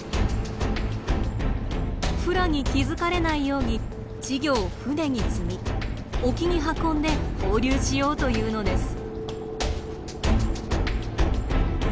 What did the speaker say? フラに気付かれないように稚魚を船に積み沖に運んで放流しようというのです。